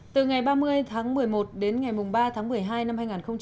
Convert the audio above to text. từ ngày ba mươi tháng một mươi một đến ngày ba tháng một mươi hai năm hai nghìn hai mươi